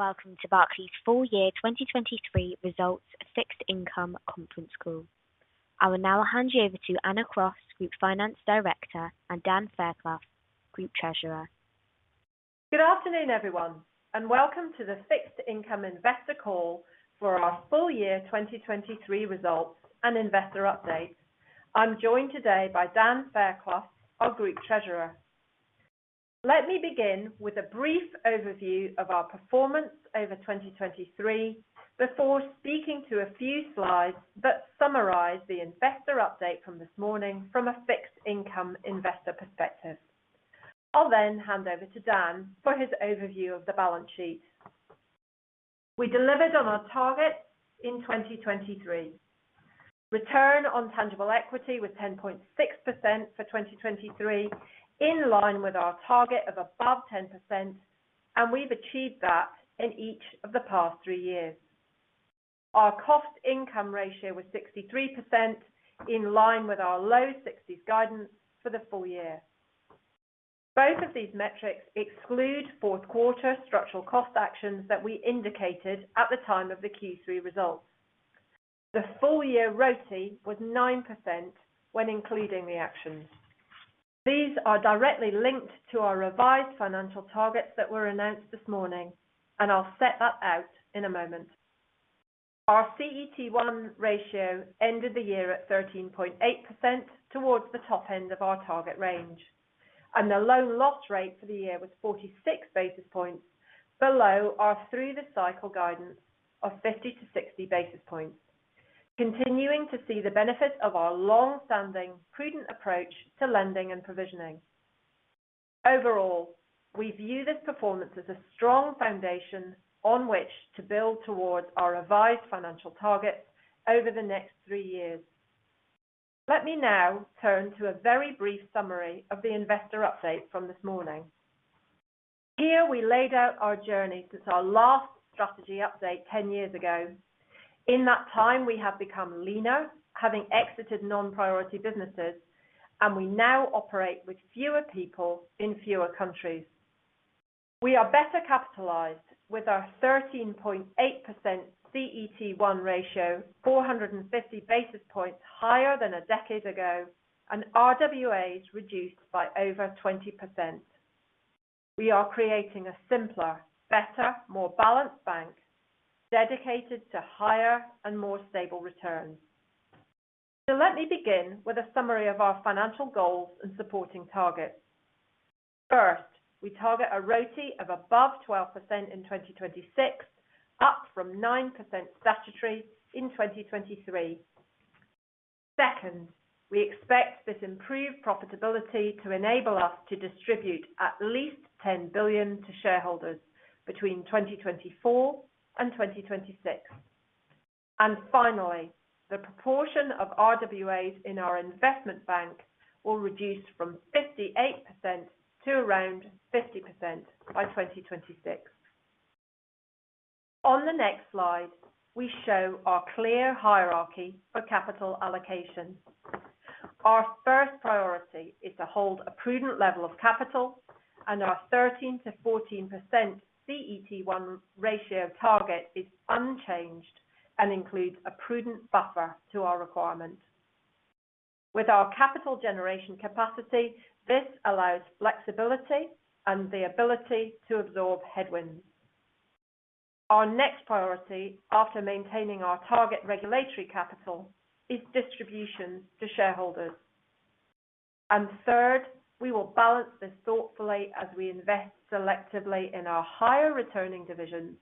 Welcome to Barclays' full-year 2023 Results Fixed Income Conference Call. I will now hand you over to Anna Cross, Group Finance Director, and Dan Fairclough, Group Treasurer. Good afternoon, everyone, and welcome to the Fixed Income Investor Call for our full-year 2023 results and investor updates. I'm joined today by Dan Fairclough, our Group Treasurer. Let me begin with a brief overview of our performance over 2023 before speaking to a few slides that summarize the investor update from this morning from a fixed income investor perspective. I'll then hand over to Dan for his overview of the balance sheet. We delivered on our targets in 2023. Return on tangible equity was 10.6% for 2023, in line with our target of above 10%, and we've achieved that in each of the past three years. Our cost-income ratio was 63%, in line with our low 60s% guidance for the full year. Both of these metrics exclude fourth-quarter structural cost actions that we indicated at the time of the Q3 results. The full-year RoTE was 9% when including the actions. These are directly linked to our revised financial targets that were announced this morning, and I'll set that out in a moment. Our CET1 ratio ended the year at 13.8%, towards the top end of our target range, and the loan loss rate for the year was 46 basis points, below our through-the-cycle guidance of 50-60 basis points, continuing to see the benefits of our long-standing prudent approach to lending and provisioning. Overall, we view this performance as a strong foundation on which to build towards our revised financial targets over the next three years. Let me now turn to a very brief summary of the investor update from this morning. Here we laid out our journey since our last strategy update 10 years ago. In that time, we have become leaner, having exited non-priority businesses, and we now operate with fewer people in fewer countries. We are better capitalized with our 13.8% CET1 ratio, 450 basis points higher than a decade ago, and RWAs reduced by over 20%. We are creating a simpler, better, more balanced bank dedicated to higher and more stable returns. So let me begin with a summary of our financial goals and supporting targets. First, we target a RoTE of above 12% in 2026, up from 9% statutory in 2023. Second, we expect this improved profitability to enable us to distribute at least 10 billion to shareholders between 2024 and 2026. And finally, the proportion of RWAs in our investment bank will reduce from 58% to around 50% by 2026. On the next slide, we show our clear hierarchy for capital allocation. Our first priority is to hold a prudent level of capital, and our 13%-14% CET1 ratio target is unchanged and includes a prudent buffer to our requirement. With our capital generation capacity, this allows flexibility and the ability to absorb headwinds. Our next priority, after maintaining our target regulatory capital, is distribution to shareholders. Third, we will balance this thoughtfully as we invest selectively in our higher-returning divisions,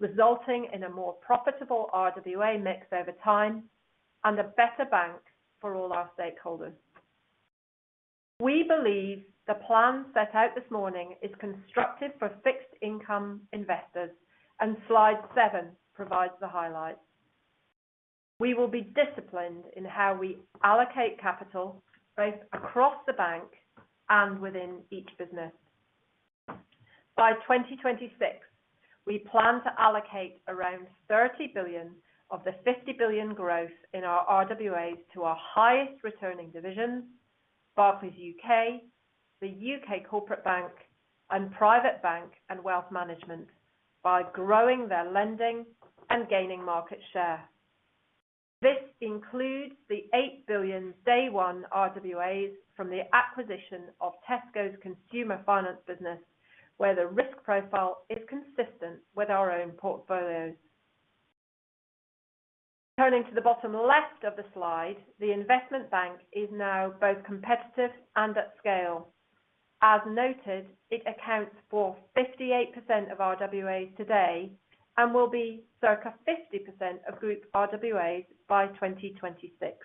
resulting in a more profitable RWA mix over time and a better bank for all our stakeholders. We believe the plan set out this morning is constructive for fixed income investors, and slide 7 provides the highlight. We will be disciplined in how we allocate capital both across the bank and within each business. By 2026, we plan to allocate around 30 billion of the 50 billion growth in our RWAs to our highest-returning divisions, Barclays U.K., the U.K. Corporate Bank, and Private Bank and Wealth Management by growing their lending and gaining market share. This includes the 8 billion day-one RWAs from the acquisition of Tesco's consumer finance business, where the risk profile is consistent with our own portfolios. Turning to the bottom left of the slide, the investment bank is now both competitive and at scale. As noted, it accounts for 58% of RWAs today and will be circa 50% of group RWAs by 2026.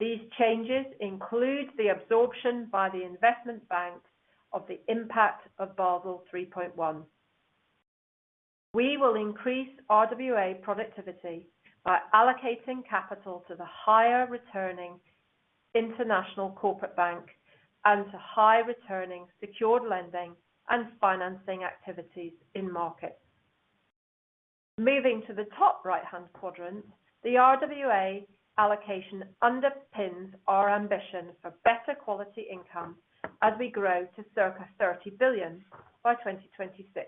These changes include the absorption by the investment bank of the impact of Basel 3.1. We will increase RWA productivity by allocating capital to the higher-returning international Corporate Bank and to high-returning secured lending and financing activities in markets. Moving to the top right-hand quadrant, the RWA allocation underpins our ambition for better quality income as we grow to circa 30 billion by 2026.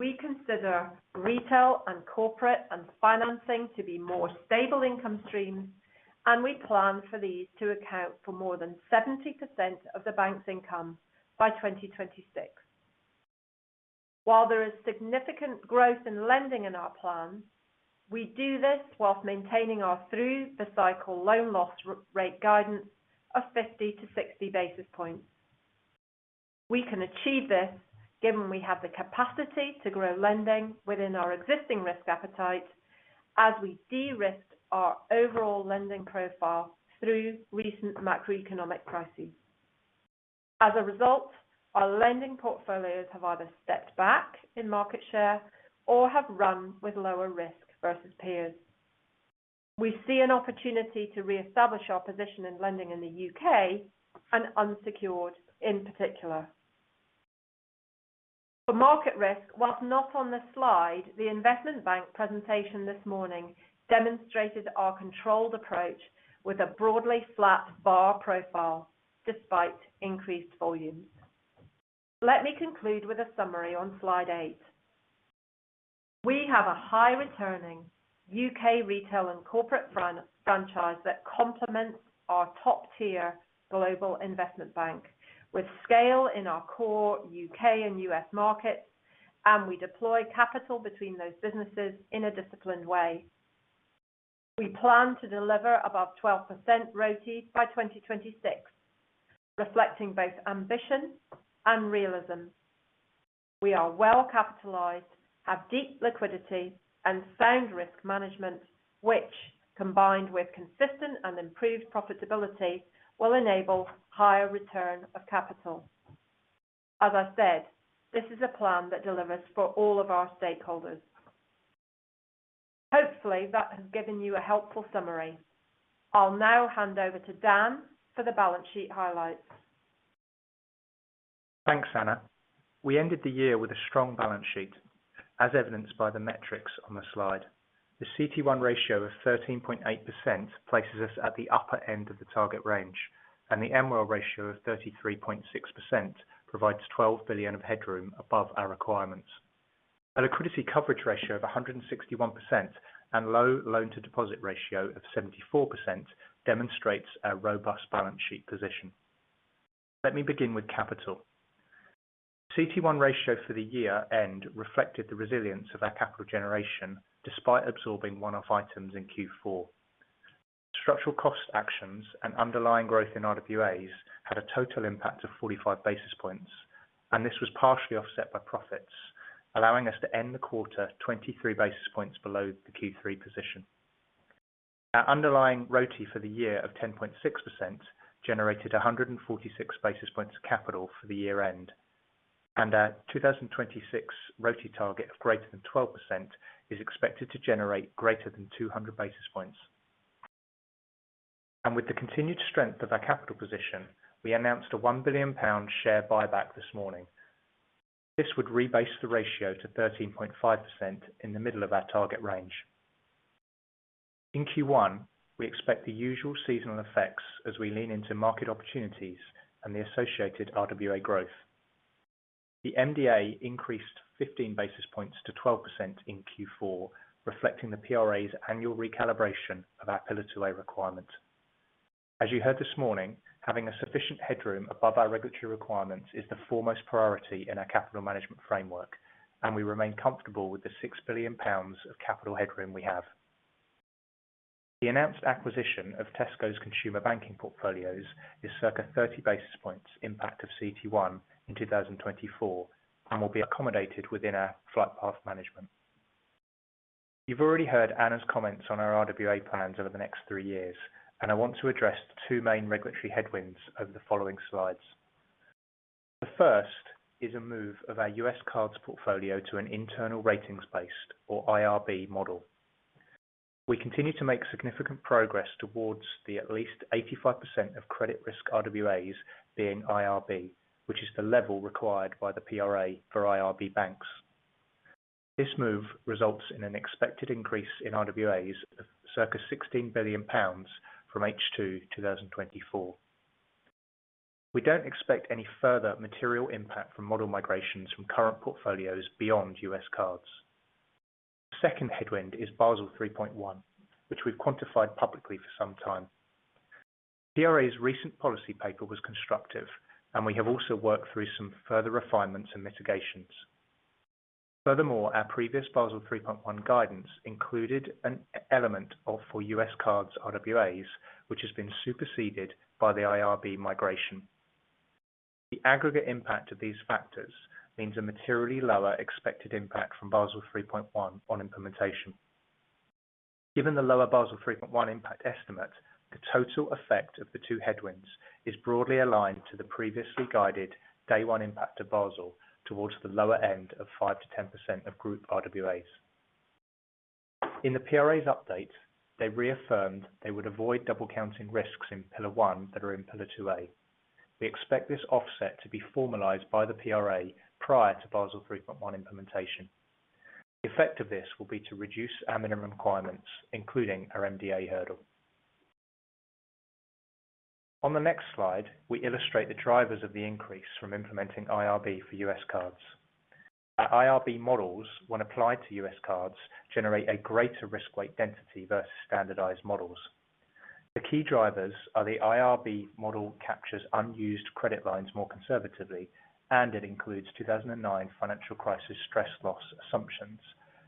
We consider retail and corporate and financing to be more stable income streams, and we plan for these to account for more than 70% of the bank's income by 2026. While there is significant growth in lending in our plan, we do this whilst maintaining our through-the-cycle loan loss rate guidance of 50 to 60 basis points. We can achieve this given we have the capacity to grow lending within our existing risk appetite as we de-risk our overall lending profile through recent macroeconomic crises. As a result, our lending portfolios have either stepped back in market share or have run with lower risk versus peers. We see an opportunity to re-establish our position in lending in the U.K. and unsecured in particular. For market risk, whilst not on the slide, the investment bank presentation this morning demonstrated our controlled approach with a broadly flat bar profile despite increased volumes. Let me conclude with a summary on slide 8. We have a high-returning U.K. retail and corporate franchise that complements our top-tier global investment bank with scale in our core U.K. and U.S. markets, and we deploy capital between those businesses in a disciplined way. We plan to deliver above 12% RoTE by 2026, reflecting both ambition and realism. We are well capitalized, have deep liquidity, and sound risk management, which, combined with consistent and improved profitability, will enable higher return of capital. As I said, this is a plan that delivers for all of our stakeholders. Hopefully, that has given you a helpful summary. I'll now hand over to Dan for the balance sheet highlights. Thanks, Anna. We ended the year with a strong balance sheet, as evidenced by the metrics on the slide. The CET1 ratio of 13.8% places us at the upper end of the target range, and the MREL ratio of 33.6% provides 12 billion of headroom above our requirements. A liquidity coverage ratio of 161% and low loan-to-deposit ratio of 74% demonstrates a robust balance sheet position. Let me begin with capital. The CET1 ratio for the year-end reflected the resilience of our capital generation despite absorbing one-off items in Q4. Structural cost actions and underlying growth in RWAs had a total impact of 45 basis points, and this was partially offset by profits, allowing us to end the quarter 23 basis points below the Q3 position. Our underlying RoTE for the year of 10.6% generated 146 basis points of capital for the year-end, and our 2026 RoTE target of greater than 12% is expected to generate greater than 200 basis points. With the continued strength of our capital position, we announced a 1 billion pound share buyback this morning. This would rebase the ratio to 13.5% in the middle of our target range. In Q1, we expect the usual seasonal effects as we lean into market opportunities and the associated RWA growth. The MDA increased 15 basis points to 12% in Q4, reflecting the PRA's annual recalibration of our Pillar 2A requirement. As you heard this morning, having a sufficient headroom above our regulatory requirements is the foremost priority in our capital management framework, and we remain comfortable with the 6 billion pounds of capital headroom we have. The announced acquisition of Tesco's consumer banking portfolios is circa 30 basis points impact of CET1 in 2024 and will be accommodated within our flight path management. You've already heard Anna's comments on our RWA plans over the next three years, and I want to address two main regulatory headwinds over the following slides. The first is a move of our U.S. cards portfolio to an internal ratings-based, or IRB, model. We continue to make significant progress towards the at least 85% of credit risk RWAs being IRB, which is the level required by the PRA for IRB banks. This move results in an expected increase in RWAs of circa 16 billion pounds from H2 2024. We don't expect any further material impact from model migrations from current portfolios beyond U.S. cards. The second headwind is Basel 3.1, which we've quantified publicly for some time. PRA's recent policy paper was constructive, and we have also worked through some further refinements and mitigations. Furthermore, our previous Basel 3.1 guidance included an element for U.S. cards RWAs, which has been superseded by the IRB migration. The aggregate impact of these factors means a materially lower expected impact from Basel 3.1 on implementation. Given the lower Basel 3.1 impact estimate, the total effect of the two headwinds is broadly aligned to the previously guided day-one impact of Basel towards the lower end of 5%-10% of group RWAs. In the PRA's update, they reaffirmed they would avoid double-counting risks in Pillar 1 that are in Pillar 2A. We expect this offset to be formalized by the PRA prior to Basel 3.1 implementation. The effect of this will be to reduce our minimum requirements, including our MDA hurdle. On the next slide, we illustrate the drivers of the increase from implementing IRB for U.S. cards. Our IRB models, when applied to U.S. cards, generate a greater risk weight density versus standardized models. The key drivers are the IRB model captures unused credit lines more conservatively, and it includes 2009 financial crisis stress loss assumptions,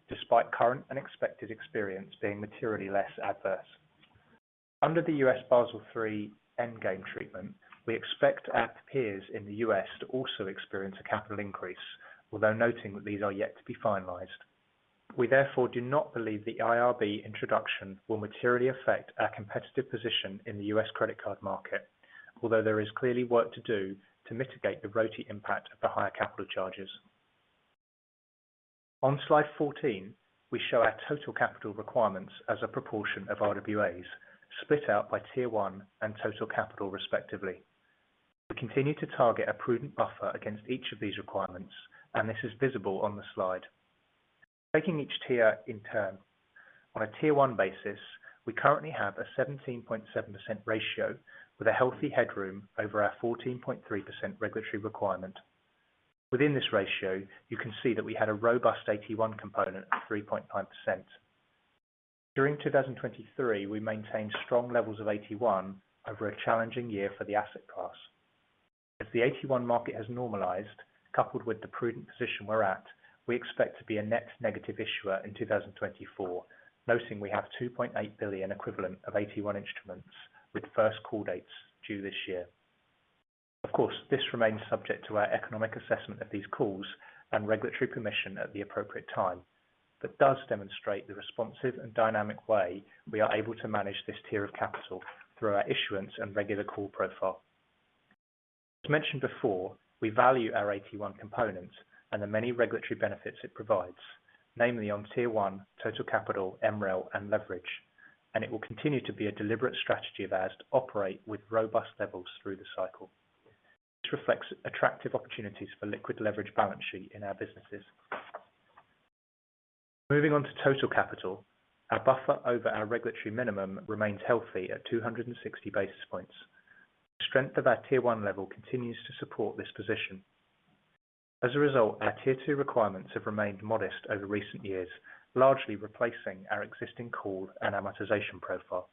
despite current and expected experience being materially less adverse. Under the U.S. Basel 3 endgame treatment, we expect our peers in the U.S. to also experience a capital increase, although noting that these are yet to be finalized. We therefore do not believe the IRB introduction will materially affect our competitive position in the U.S. credit card market, although there is clearly work to do to mitigate the RoTE impact of the higher capital charges. On slide 14, we show our total capital requirements as a proportion of RWAs, split out by Tier 1 and total capital, respectively. We continue to target a prudent buffer against each of these requirements, and this is visible on the slide. Taking each tier in turn, on a Tier 1 basis, we currently have a 17.7% ratio with a healthy headroom over our 14.3% regulatory requirement. Within this ratio, you can see that we had a robust AT1 component of 3.9%. During 2023, we maintained strong levels of AT1 over a challenging year for the asset class. As the AT1 market has normalised, coupled with the prudent position we're at, we expect to be a net negative issuer in 2024, noting we have 2.8 billion equivalent of AT1 instruments with first call dates due this year. Of course, this remains subject to our economic assessment of these calls and regulatory permission at the appropriate time, but does demonstrate the responsive and dynamic way we are able to manage this tier of capital through our issuance and regular call profile. As mentioned before, we value our AT1 component and the many regulatory benefits it provides, namely on Tier 1, total capital, MREL, and leverage, and it will continue to be a deliberate strategy of ours to operate with robust levels through the cycle. This reflects attractive opportunities for liquid leverage balance sheet in our businesses. Moving on to total capital, our buffer over our regulatory minimum remains healthy at 260 basis points, the strength of our Tier 1 level continues to support this position. As a result, our Tier 2 requirements have remained modest over recent years, largely replacing our existing call and amortization profile.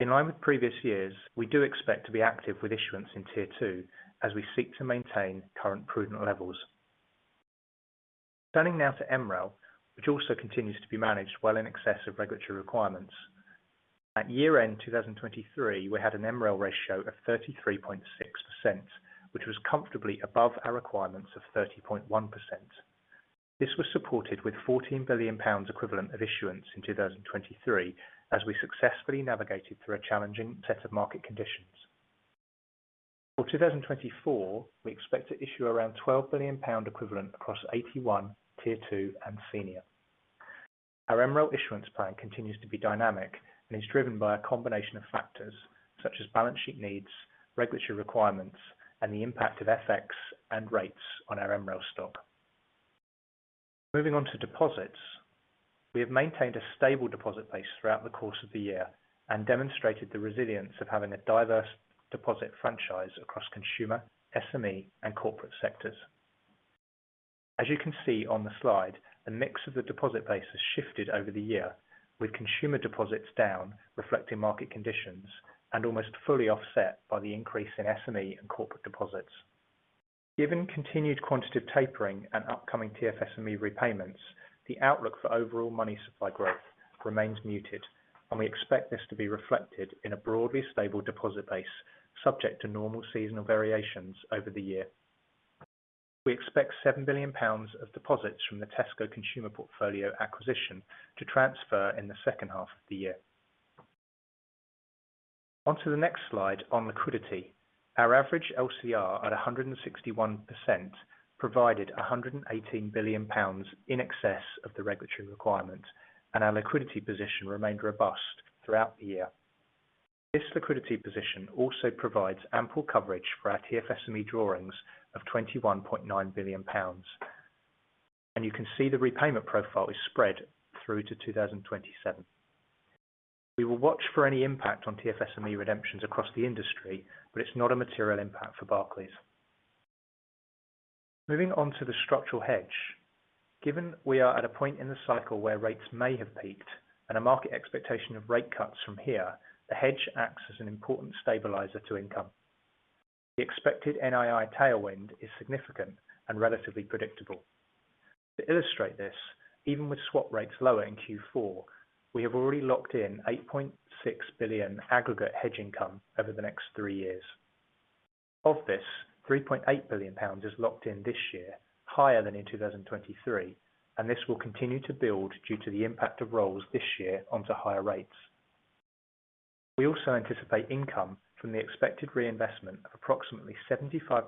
In line with previous years, we do expect to be active with issuance in Tier 2 as we seek to maintain current prudent levels. Turning now to MREL, which also continues to be managed well in excess of regulatory requirements. At year-end 2023, we had an MREL ratio of 33.6%, which was comfortably above our requirements of 30.1%. This was supported with GBP 14 billion equivalent of issuance in 2023 as we successfully navigated through a challenging set of market conditions. For 2024, we expect to issue around 12 billion pound equivalent across AT1, Tier 2, and senior. Our MREL issuance plan continues to be dynamic and is driven by a combination of factors such as balance sheet needs, regulatory requirements, and the impact of FX and rates on our MREL stock. Moving on to deposits, we have maintained a stable deposit base throughout the course of the year and demonstrated the resilience of having a diverse deposit franchise across consumer, SME, and corporate sectors. As you can see on the slide, the mix of the deposit base has shifted over the year, with consumer deposits down reflecting market conditions and almost fully offset by the increase in SME and corporate deposits. Given continued quantitative tapering and upcoming TFSME repayments, the outlook for overall money supply growth remains muted, and we expect this to be reflected in a broadly stable deposit base subject to normal seasonal variations over the year. We expect 7 billion pounds of deposits from the Tesco consumer portfolio acquisition to transfer in the second half of the year. Onto the next slide on liquidity, our average LCR at 161% provided 118 billion pounds in excess of the regulatory requirement, and our liquidity position remained robust throughout the year. This liquidity position also provides ample coverage for our TFSME drawings of 21.9 billion pounds, and you can see the repayment profile is spread through to 2027. We will watch for any impact on TFSME redemptions across the industry, but it's not a material impact for Barclays. Moving on to the structural hedge. Given we are at a point in the cycle where rates may have peaked and a market expectation of rate cuts from here, the hedge acts as an important stabilizer to income. The expected NII tailwind is significant and relatively predictable. To illustrate this, even with swap rates lower in Q4, we have already locked in 8.6 billion aggregate hedge income over the next three years. Of this, £3.8 billion is locked in this year, higher than in 2023, and this will continue to build due to the impact of rolls this year onto higher rates. We also anticipate income from the expected reinvestment of approximately 75%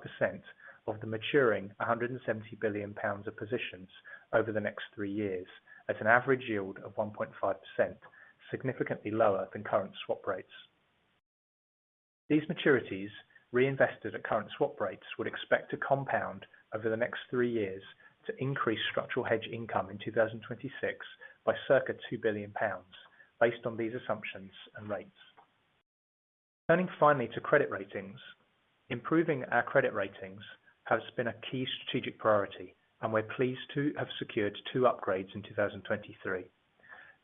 of the maturing £170 billion of positions over the next three years at an average yield of 1.5%, significantly lower than current swap rates. These maturities reinvested at current swap rates would expect to compound over the next three years to increase structural hedge income in 2026 by circa £2 billion, based on these assumptions and rates. Turning finally to credit ratings, improving our credit ratings has been a key strategic priority, and we're pleased to have secured two upgrades in 2023.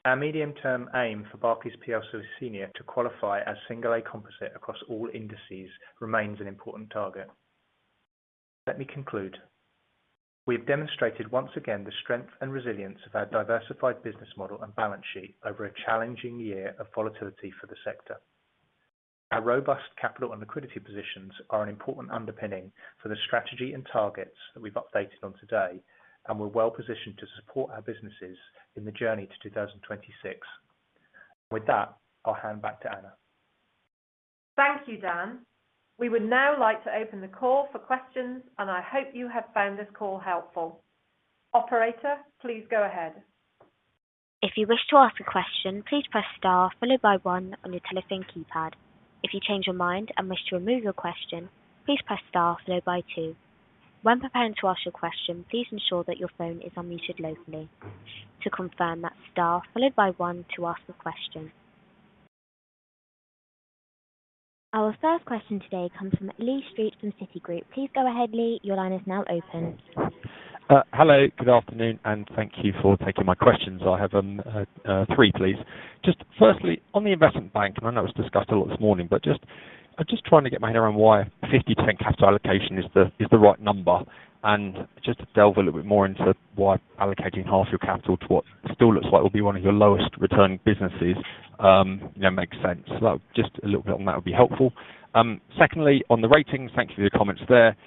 Our medium-term aim for Barclays PLC senior to qualify as single A composite across all indices remains an important target. Let me conclude. We have demonstrated once again the strength and resilience of our diversified business model and balance sheet over a challenging year of volatility for the sector. Our robust capital and liquidity positions are an important underpinning for the strategy and targets that we've updated on today, and we're well positioned to support our businesses in the journey to 2026. With that, I'll hand back to Anna. Thank you, Dan. We would now like to open the call for questions, and I hope you have found this call helpful. Operator, please go ahead. If you wish to ask a question, please press star followed by 1 on your telephone keypad. If you change your mind and wish to remove your question, please press star followed by 2. When preparing to ask your question, please ensure that your phone is unmuted locally. To confirm, that's star followed by 1 to ask the question. Our first question today comes from Lee Street from Citigroup. Please go ahead, Lee. Your line is now open. Hello, good afternoon, and thank you for taking my questions. I have three, please. Firstly, on the investment bank, and I know it was discussed a lot this morning, but I'm just trying to get my head around why 50% capital allocation is the right number and just to delve a little bit more into why allocating half your capital to what still looks like will be one of your lowest-returning businesses makes sense. Just a little bit on that would be helpful. Secondly, on the ratings, thank you for your comments there.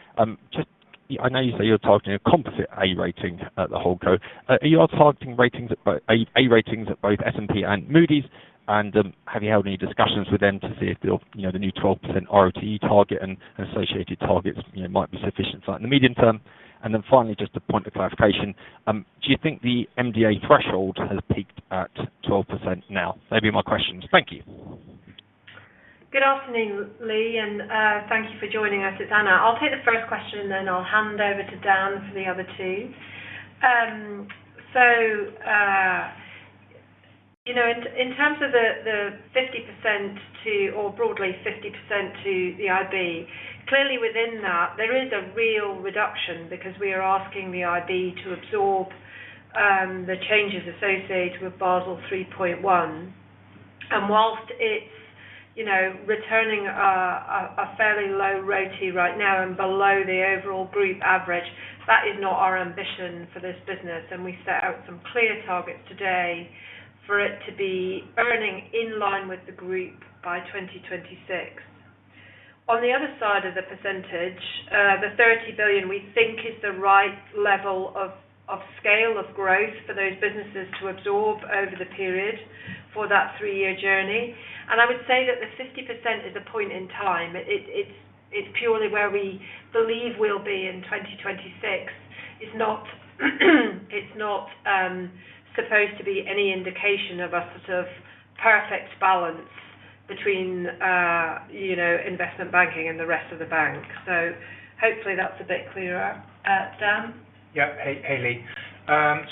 I know you say you're targeting a composite A rating at the holdco. Are you targeting ratings at both S&P and Moody's, and have you held any discussions with them to see if the new 12% ROTE target and associated targets might be sufficient in the medium term? Then finally, just to point of clarification, do you think the MDA threshold has peaked at 12% now? Those would be my questions. Thank you. Good afternoon, Lee, and thank you for joining us. It's Anna. I'll take the first question, and then I'll hand over to Dan for the other two. So in terms of the 50% to, or broadly 50% to, the IB, clearly within that, there is a real reduction because we are asking the IB to absorb the changes associated with Basel 3.1. And whilst it's returning a fairly low ROTE right now and below the overall group average, that is not our ambition for this business, and we set out some clear targets today for it to be earning in line with the group by 2026. On the other side of the percentage, the 30 billion we think is the right level of scale of growth for those businesses to absorb over the period for that three-year journey. And I would say that the 50% is a point in time. It's purely where we believe we'll be in 2026. It's not supposed to be any indication of a sort of perfect balance between investment banking and the rest of the bank. So hopefully, that's a bit clearer. Dan? Yeah, hey, Lee.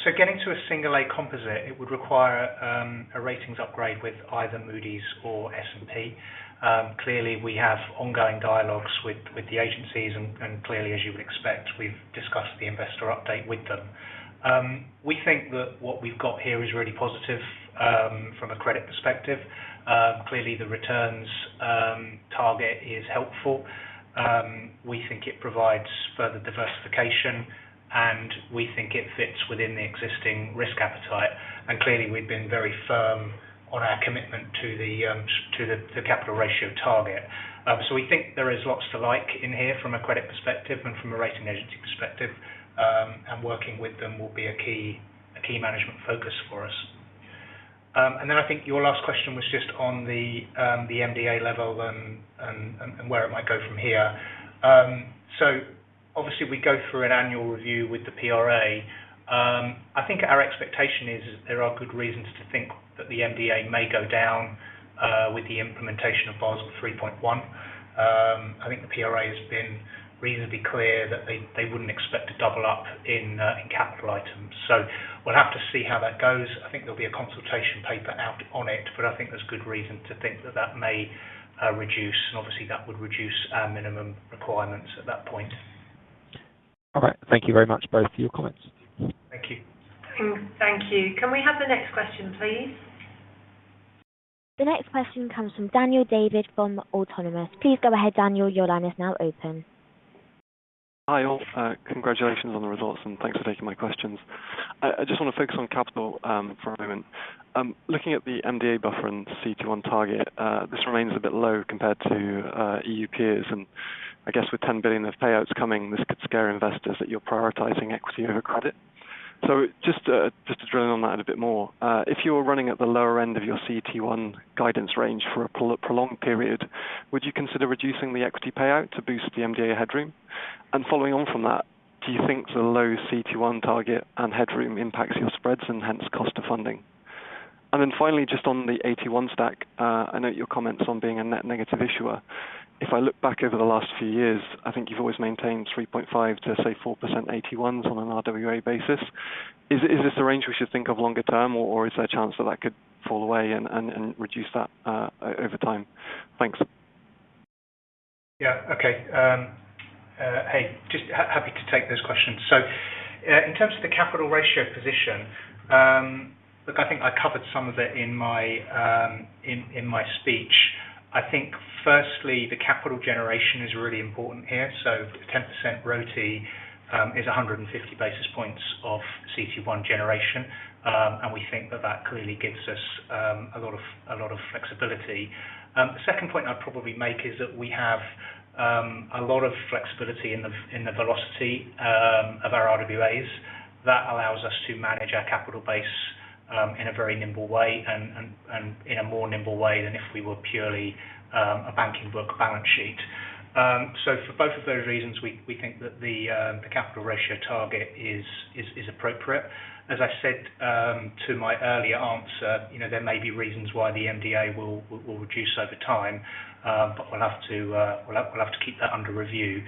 So getting to a single A composite, it would require a ratings upgrade with either Moody's or S&P. Clearly, we have ongoing dialogues with the agencies, and clearly, as you would expect, we've discussed the investor update with them. We think that what we've got here is really positive from a credit perspective. Clearly, the returns target is helpful. We think it provides further diversification, and we think it fits within the existing risk appetite. And clearly, we've been very firm on our commitment to the capital ratio target. So we think there is lots to like in here from a credit perspective and from a rating agency perspective, and working with them will be a key management focus for us. And then I think your last question was just on the MDA level and where it might go from here. Obviously, we go through an annual review with the PRA. I think our expectation is that there are good reasons to think that the MDA may go down with the implementation of Basel 3.1. I think the PRA has been reasonably clear that they wouldn't expect to double up in capital items. We'll have to see how that goes. I think there'll be a consultation paper out on it, but I think there's good reason to think that that may reduce, and obviously, that would reduce our minimum requirements at that point. All right. Thank you very much, both, for your comments. Thank you. Thank you. Can we have the next question, please? The next question comes from Daniel David from Autonomous. Please go ahead, Daniel. Your line is now open. Hi, all. Congratulations on the results, and thanks for taking my questions. I just want to focus on capital for a moment. Looking at the MDA buffer and CT1 target, this remains a bit low compared to EU peers, and I guess with 10 billion of payouts coming, this could scare investors that you're prioritizing equity over credit. So just to drill in on that a bit more, if you were running at the lower end of your CT1 guidance range for a prolonged period, would you consider reducing the equity payout to boost the MDA headroom? And following on from that, do you think the low CT1 target and headroom impacts your spreads and hence cost of funding? And then finally, just on the 81 stack, I note your comments on being a net negative issuer. If I look back over the last few years, I think you've always maintained 3.5%-4% AT1s on an RWA basis. Is this a range we should think of longer term, or is there a chance that that could fall away and reduce that over time? Thanks. Yeah, okay. Hey, just happy to take those questions. So in terms of the capital ratio position, look, I think I covered some of it in my speech. I think firstly, the capital generation is really important here. So 10% ROTE is 150 basis points of CT1 generation, and we think that that clearly gives us a lot of flexibility. The second point I'd probably make is that we have a lot of flexibility in the velocity of our RWAs. That allows us to manage our capital base in a very nimble way and in a more nimble way than if we were purely a banking book balance sheet. So for both of those reasons, we think that the capital ratio target is appropriate. As I said to my earlier answer, there may be reasons why the MDA will reduce over time, but we'll have to keep that under review.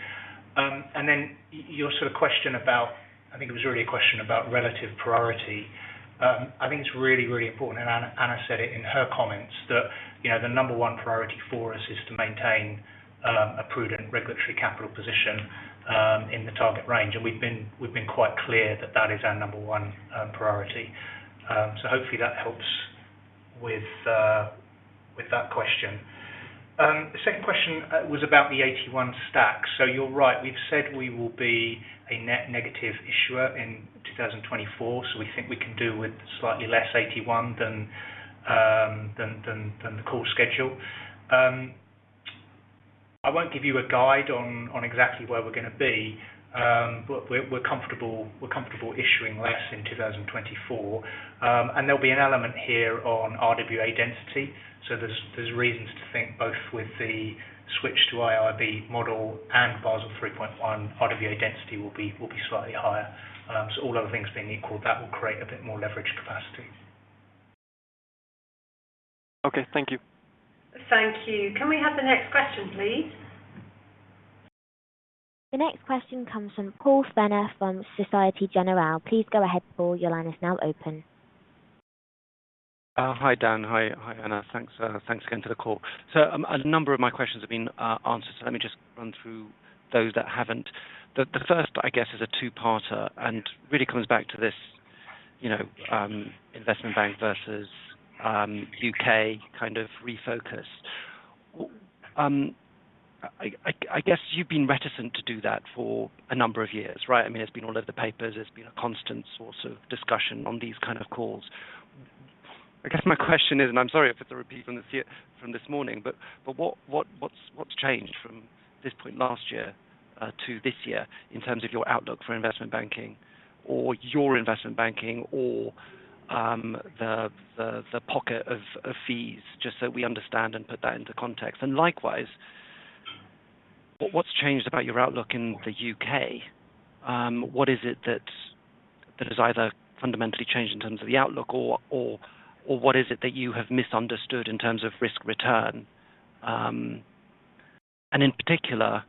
And then your sort of question about—I think it was really a question about relative priority. I think it's really, really important, and Anna said it in her comments, that the number one priority for us is to maintain a prudent regulatory capital position in the target range, and we've been quite clear that that is our number one priority. So hopefully, that helps with that question. The second question was about the AT1 stack. So you're right. We've said we will be a net negative issuer in 2024, so we think we can do with slightly less AT1 than the core schedule. I won't give you a guide on exactly where we're going to be, but we're comfortable issuing less in 2024. And there'll be an element here on RWA density. So there's reasons to think both with the switch to IRB model and Basel 3.1, RWA density will be slightly higher. So all other things being equal, that will create a bit more leverage capacity. Okay. Thank you. Thank you. Can we have the next question, please? The next question comes from Paul Fenner from Société Générale. Please go ahead, Paul. Your line is now open. Hi, Dan. Hi, Anna. Thanks again to the call. So a number of my questions have been answered, so let me just run through those that haven't. The first, I guess, is a two-parter and really comes back to this investment bank versus U.K. kind of refocus. I guess you've been reticent to do that for a number of years, right? I mean, it's been all over the papers. It's been a constant source of discussion on these kind of calls. I guess my question is, and I'm sorry if it's a repeat from this morning, but what's changed from this point last year to this year in terms of your outlook for investment banking or your investment banking or the pocket of fees, just so we understand and put that into context? And likewise, what's changed about your outlook in the U.K.? What is it that has either fundamentally changed in terms of the outlook, or what is it that you have misunderstood in terms of risk return? And in particular,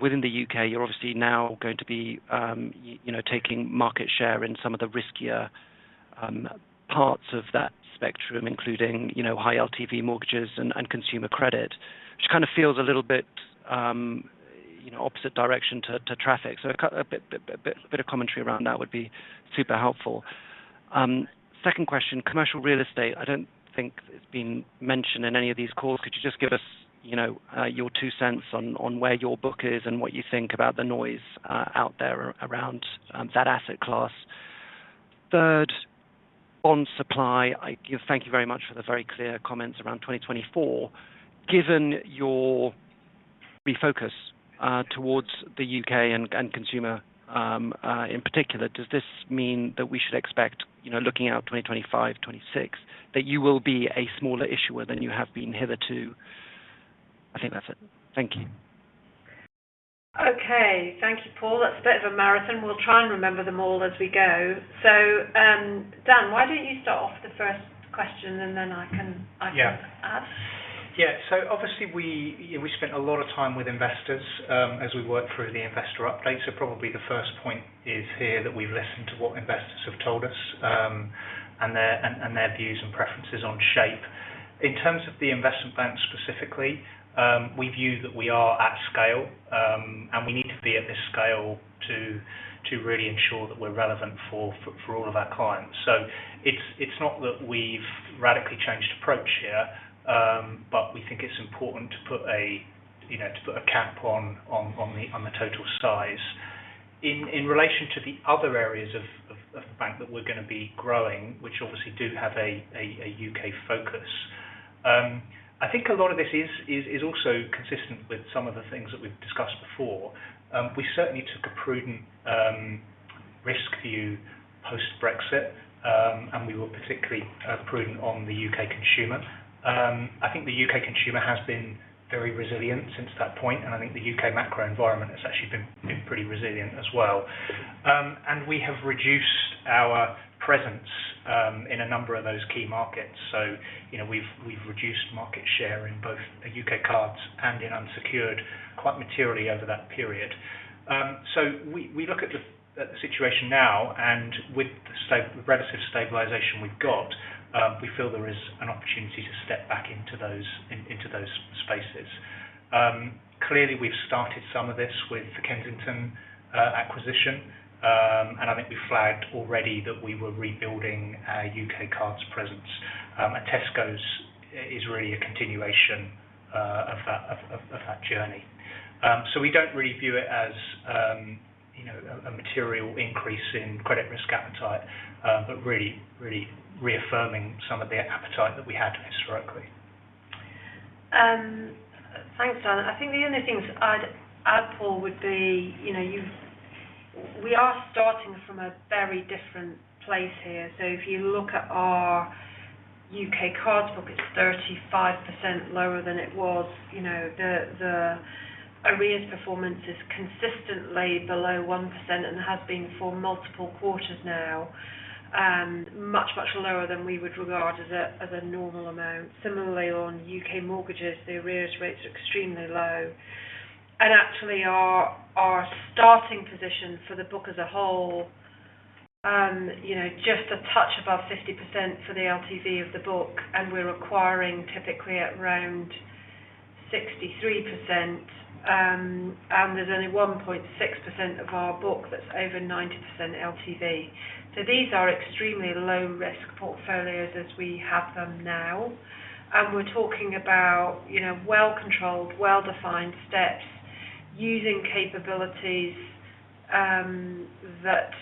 within the U.K., you're obviously now going to be taking market share in some of the riskier parts of that spectrum, including high LTV mortgages and consumer credit, which kind of feels a little bit opposite direction to traffic. So a bit of commentary around that would be super helpful. Second question, commercial real estate. I don't think it's been mentioned in any of these calls. Could you just give us your two cents on where your book is and what you think about the noise out there around that asset class? Third, bond supply. Thank you very much for the very clear comments around 2024. Given your refocus towards the U.K. and consumer in particular, does this mean that we should expect, looking out 2025, 2026, that you will be a smaller issuer than you have been hitherto? I think that's it. Thank you. Okay. Thank you, Paul. That's a bit of a marathon. We'll try and remember them all as we go. So Dan, why don't you start off with the first question, and then I can add? Yeah. So obviously, we spent a lot of time with investors as we worked through the investor update. So probably the first point is here that we've listened to what investors have told us and their views and preferences on shape. In terms of the investment bank specifically, we view that we are at scale, and we need to be at this scale to really ensure that we're relevant for all of our clients. So it's not that we've radically changed approach here, but we think it's important to put a cap on the total size. In relation to the other areas of the bank that we're going to be growing, which obviously do have a U.K. focus, I think a lot of this is also consistent with some of the things that we've discussed before. We certainly took a prudent risk view post-Brexit, and we were particularly prudent on the U.K. consumer. I think the U.K. consumer has been very resilient since that point, and I think the U.K. macro environment has actually been pretty resilient as well. And we have reduced our presence in a number of those key markets. So we've reduced market share in both the U.K. cards and in unsecured. Quite materially over that period. So we look at the situation now, and with the relative stabilization we've got, we feel there is an opportunity to step back into those spaces. Clearly, we've started some of this with the Kensington acquisition, and I think we flagged already that we were rebuilding our U.K. cards presence. And Tesco's is really a continuation of that journey. We don't really view it as a material increase in credit risk appetite, but really reaffirming some of the appetite that we had historically. Thanks, Dan. I think the only things I'd add, Paul, would be we are starting from a very different place here. So if you look at our U.K. cards book, it's 35% lower than it was. The Arrears performance is consistently below 1%, and it has been for multiple quarters now, much, much lower than we would regard as a normal amount. Similarly, on U.K.. mortgages, the Arreas rates are extremely low. And actually, our starting position for the book as a whole, just a touch above 50% for the LTV of the book, and we're acquiring typically at around 63%. And there's only 1.6% of our book that's over 90% LTV. So these are extremely low-risk portfolios as we have them now. And we're talking about well-controlled, well-defined steps using capabilities that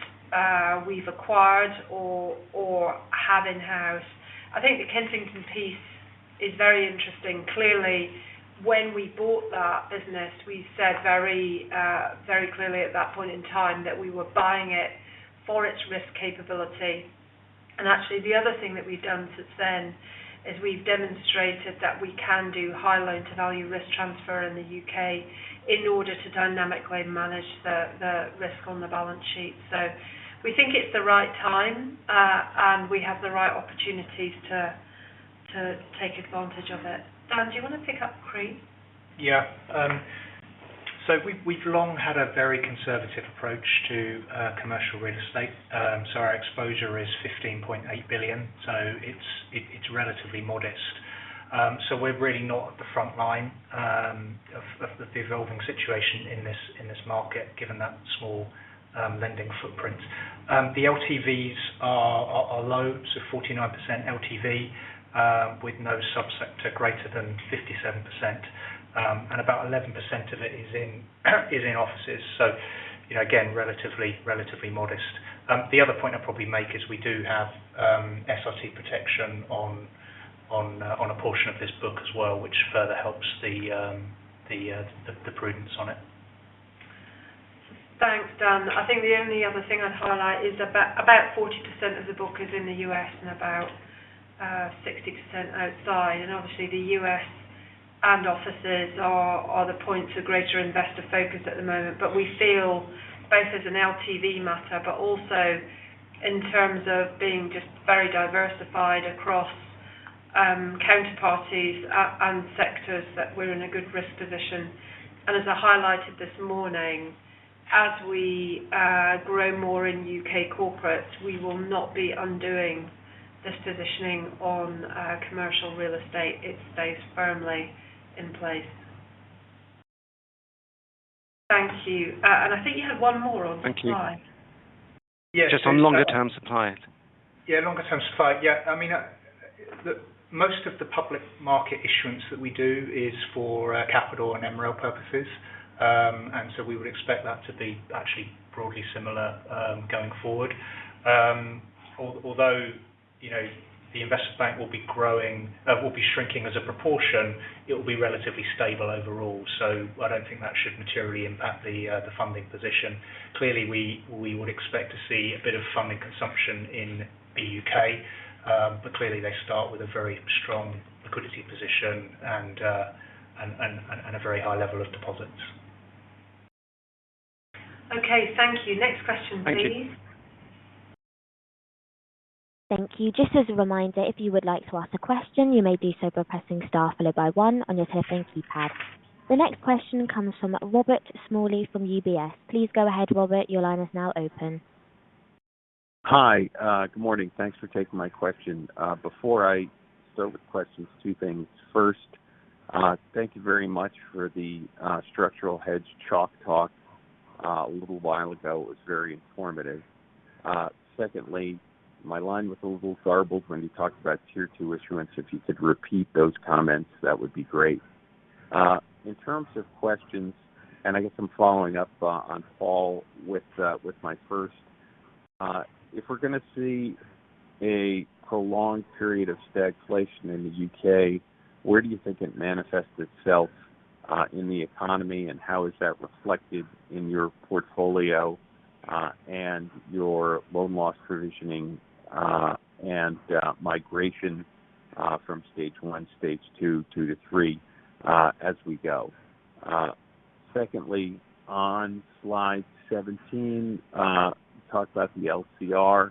we've acquired or have in-house. I think the Kensington piece is very interesting. Clearly, when we bought that business, we said very clearly at that point in time that we were buying it for its risk capability. And actually, the other thing that we've done since then is we've demonstrated that we can do high loan-to-value risk transfer in the U.K. in order to dynamically manage the risk on the balance sheet. So we think it's the right time, and we have the right opportunities to take advantage of it. Dan, do you want to pick up, CRE? Yeah. So we've long had a very conservative approach to commercial real estate. So our exposure is 15.8 billion, so it's relatively modest. So we're really not at the front line of the evolving situation in this market, given that small lending footprint. The LTVs are low, so 49% LTV with no subsector greater than 57%. And about 11% of it is in offices. So again, relatively modest. The other point I'd probably make is we do have SRT protection on a portion of this book as well, which further helps the prudence on it. Thanks, Dan. I think the only other thing I'd highlight is about 40% of the book is in the U.S. and about 60% outside. Obviously, the U.S. and offices are the points of greater investor focus at the moment, but we feel both as an LTV matter, but also in terms of being just very diversified across counterparties and sectors that we're in a good risk position. As I highlighted this morning, as we grow more in U.K. corporates, we will not be undoing this positioning on commercial real estate. It stays firmly in place. Thank you. I think you had one more on supply. Thank you. Yeah. Just on longer-term supply. Yeah, longer-term supply. Yeah. I mean, look, most of the public market issuance that we do is for capital and MREL purposes. And so we would expect that to be actually broadly similar going forward. Although the investment bank will be growing or will be shrinking as a proportion, it will be relatively stable overall. So I don't think that should materially impact the funding position. Clearly, we would expect to see a bit of funding consumption in the U.K., but clearly, they start with a very strong liquidity position and a very high level of deposits. Okay. Thank you. Next question, please. Thank you. Just as a reminder, if you would like to ask a question, you may do so by pressing star followed by one on your telephone keypad. The next question comes from Robert Smalley from UBS. Please go ahead, Robert. Your line is now open. Hi. Good morning. Thanks for taking my question. Before I start with questions, two things. First, thank you very much for the structural hedge chalk talk a little while ago. It was very informative. Secondly, my line was a little garbled when you talked about Tier 2 issuance. If you could repeat those comments, that would be great. In terms of questions, and I guess I'm following up on Paul with my first, if we're going to see a prolonged period of stagflation in the U.K., where do you think it manifests itself in the economy, and how is that reflected in your portfolio and your loan loss provisioning and migration from stage one, stage two, two to three as we go? Secondly, on slide 17, you talked about the LCR,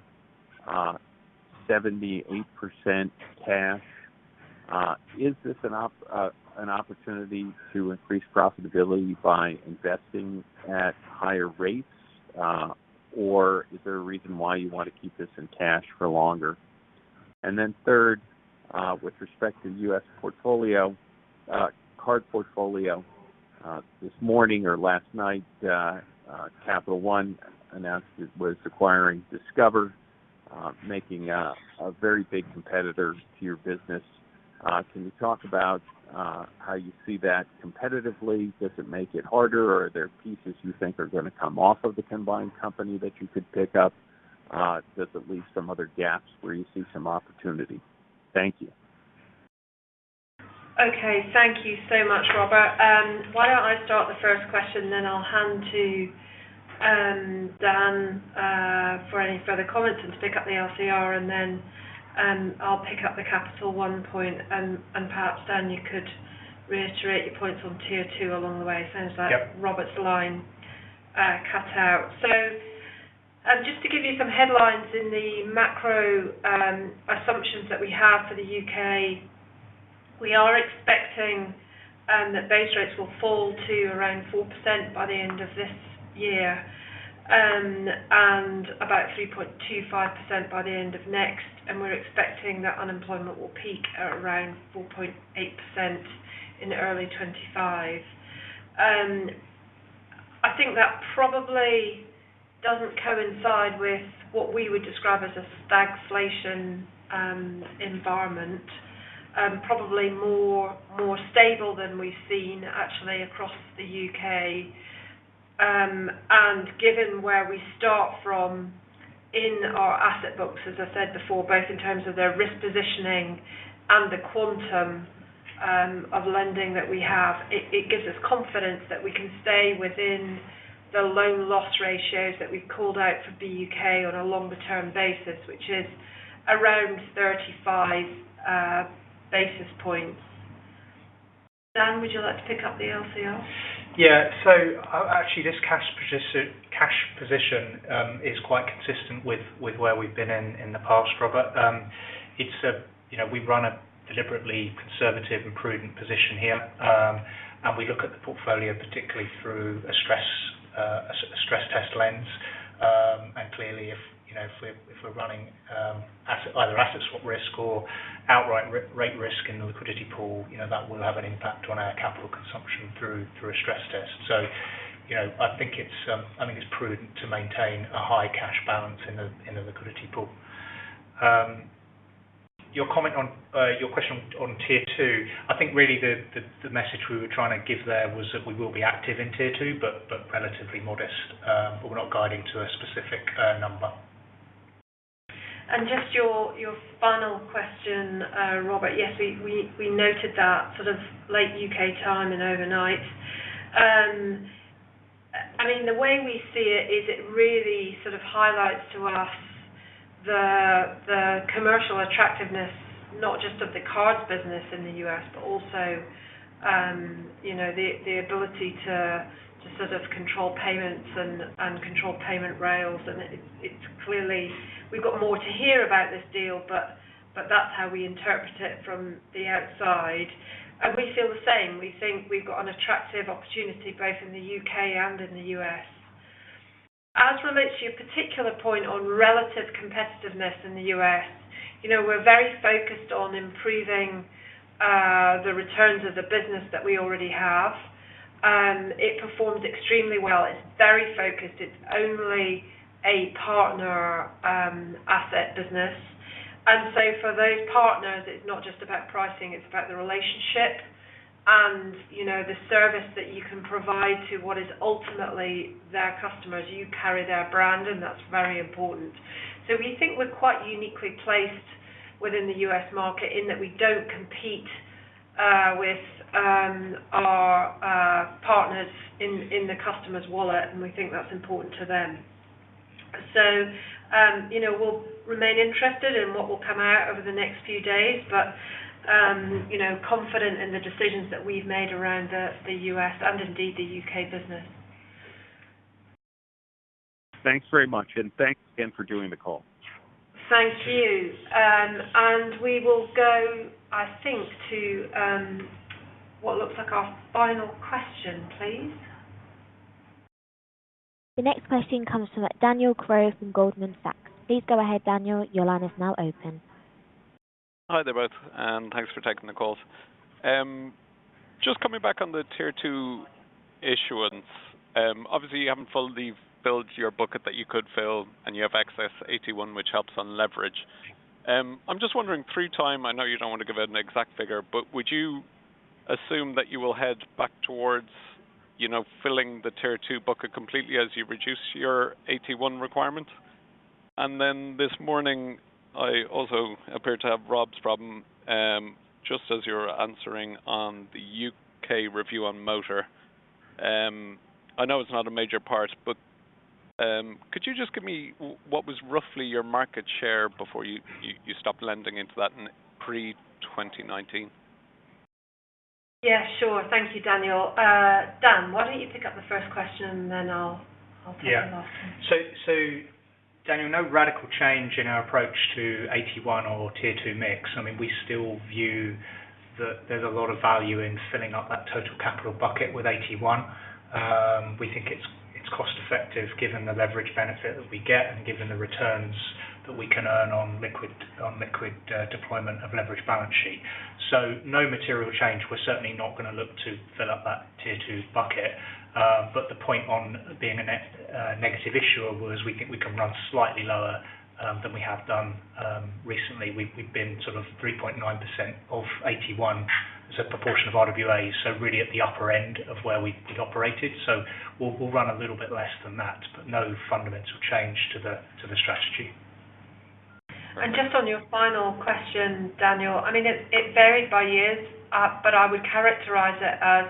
78% cash. Is this an opportunity to increase profitability by investing at higher rates, or is there a reason why you want to keep this in cash for longer? And then third, with respect to U.S. card portfolio, this morning or last night, Capital One announced it was acquiring Discover, making a very big competitor to your business. Can you talk about how you see that competitively? Does it make it harder, or are there pieces you think are going to come off of the combined company that you could pick up? Does it leave some other gaps where you see some opportunity? Thank you. Okay. Thank you so much, Robert. Why don't I start the first question, then I'll hand to Dan for any further comments and to pick up the LCR, and then I'll pick up the Capital One point. And perhaps, Dan, you could reiterate your points on Tier 2 along the way. Sounds like Robert's line cut out. So just to give you some headlines in the macro assumptions that we have for the U.K., we are expecting that base rates will fall to around 4% by the end of this year and about 3.25% by the end of next. And we're expecting that unemployment will peak at around 4.8% in early 2025. I think that probably doesn't coincide with what we would describe as a stagflation environment, probably more stable than we've seen actually across the U.K. Given where we start from in our asset books, as I said before, both in terms of their risk positioning and the quantum of lending that we have, it gives us confidence that we can stay within the loan loss ratios that we've called out for BUK on a longer-term basis, which is around 35 basis points. Dan, would you like to pick up the LCR? Yeah. Actually, this cash position is quite consistent with where we've been in the past, Robert. We run a deliberately conservative and prudent position here, and we look at the portfolio particularly through a stress test lens. Clearly, if we're running either assets at risk or outright rate risk in the liquidity pool, that will have an impact on our capital consumption through a stress test. I think it's prudent to maintain a high cash balance in the liquidity pool. Your question on Tier 2, I think really the message we were trying to give there was that we will be active in Tier 2, but relatively modest. But we're not guiding to a specific number. Just your final question, Robert. Yes, we noted that sort of late U.K. time and overnight. I mean, the way we see it is it really sort of highlights to us the commercial attractiveness, not just of the cards business in the U.S., but also the ability to sort of control payments and control payment rails. And we've got more to hear about this deal, but that's how we interpret it from the outside. And we feel the same. We think we've got an attractive opportunity both in the U.K. and in the U.S. As relates to your particular point on relative competitiveness in the U.S., we're very focused on improving the returns of the business that we already have. It performs extremely well. It's very focused. It's only a partner asset business. And so for those partners, it's not just about pricing. It's about the relationship and the service that you can provide to what is ultimately their customers. You carry their brand, and that's very important. So we think we're quite uniquely placed within the U.S. market in that we don't compete with our partners in the customer's wallet, and we think that's important to them. So we'll remain interested in what will come out over the next few days, but confident in the decisions that we've made around the U.S. and indeed the U.K. business. Thanks very much. Thanks again for doing the call. Thank you. We will go, I think, to what looks like our final question, please. The next question comes from Daniel Crowe from Goldman Sachs. Please go ahead, Daniel. Your line is now open. Hi there both, and thanks for taking the calls. Just coming back on the Tier 2 issuance, obviously, you haven't fully filled your bucket that you could fill, and you have excess AT1, which helps on leverage. I'm just wondering through time, I know you don't want to give out an exact figure, but would you assume that you will head back towards filling the Tier 2 bucket completely as you reduce your AT1 requirement? And then this morning, I also appear to have Rob's problem just as you're answering on the U.K. review on motor. I know it's not a major part, but could you just give me what was roughly your market share before you stopped lending into that pre-2019? Yeah, sure. Thank you, Daniel. Dan, why don't you pick up the first question, and then I'll tell you the last one? Yeah. So Daniel, no radical change in our approach to AT1 or Tier 2 mix. I mean, we still view that there's a lot of value in filling up that total capital bucket with AT1. We think it's cost-effective given the leverage benefit that we get and given the returns that we can earn on liquid deployment of leverage balance sheet. So no material change. We're certainly not going to look to fill up that Tier 2 bucket. But the point on being a negative issuer was we think we can run slightly lower than we have done recently. We've been sort of 3.9% of AT1 as a proportion of RWAs, so really at the upper end of where we'd operated. So we'll run a little bit less than that, but no fundamental change to the strategy. Just on your final question, Daniel, I mean, it varied by years, but I would characterize it as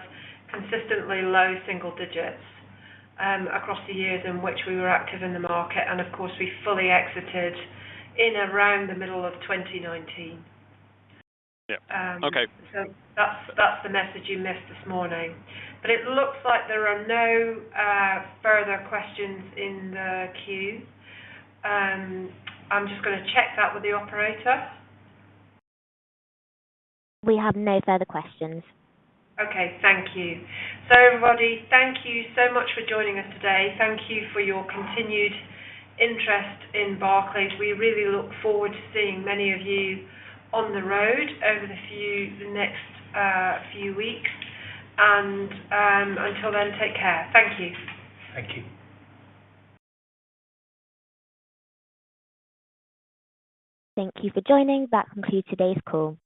consistently low single digits across the years in which we were active in the market. Of course, we fully exited in around the middle of 2019. Yeah. Okay. That's the message you missed this morning. It looks like there are no further questions in the queue. I'm just going to check that with the operator. We have no further questions. Okay. Thank you. So everybody, thank you so much for joining us today. Thank you for your continued interest in Barclays. We really look forward to seeing many of you on the road over the next few weeks. Until then, take care. Thank you. Thank you. Thank you for joining. That concludes today's call.